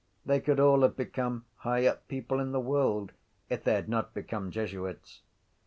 They could all have become high up people in the world if they had not become jesuits.